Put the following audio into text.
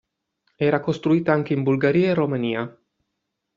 Era costruita anche in Bulgaria e Romania.